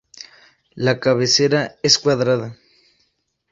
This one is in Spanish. La cabecera es cuadrada.